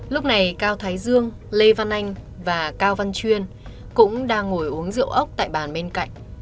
lúc này cao thái dương lê văn anh và cao văn chuyên cũng đang ngồi uống rượu ốc tại bàn bên cạnh